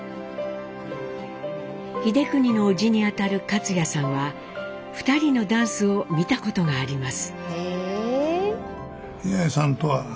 英邦の叔父に当たる勝也さんは２人のダンスを見たことがあります。